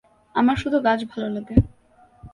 আমার শুধু গাছ ভালো লাগে।